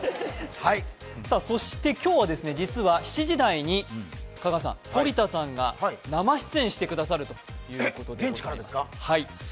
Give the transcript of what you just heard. そして今日は実は７時台に反田さんが生出演してくださるということです。